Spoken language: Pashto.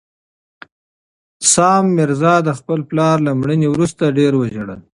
سام میرزا د خپل پلار له مړینې وروسته ډېر وژړل.